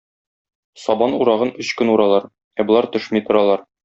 Сабан урагын өч көн уралар, ә болар төшми торалар.